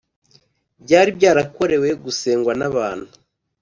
, byari byarakorewe gusengwa n'abantu